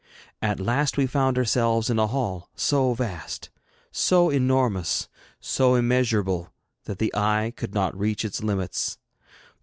At last we found ourselves in a hall so vast, so enormous, so immeasurable, that the eye could not reach its limits.